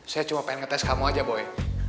saya cuma pengen ngetes kamu aja boleh